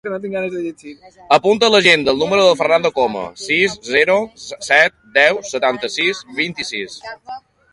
Apunta a l'agenda el número del Fernando Coma: sis, zero, set, deu, setanta-sis, vint-i-sis.